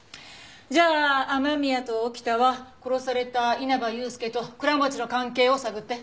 じゃあ雨宮と沖田は殺された稲葉祐介と倉持の関係を探って。